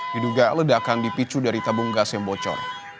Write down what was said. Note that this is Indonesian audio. diduga ledakan dipicu dari tabung gas yang bocor